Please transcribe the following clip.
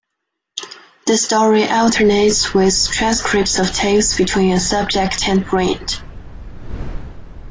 The story alternates with transcripts of tapes between a "subject" and Brint.